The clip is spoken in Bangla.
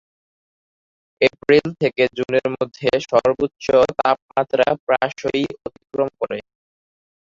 এপ্রিল থেকে জুনের মধ্যে সর্বোচ্চ তাপমাত্রা প্রায়শই অতিক্রম করে।